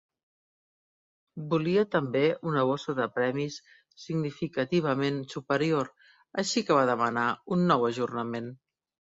Volia també una bossa de premis significativament superior, així que va demanar un nou ajornament.